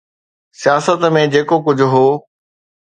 سياست ۾ جيڪو ڪجهه هو.